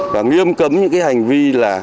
và nghiêm cấm những hành vi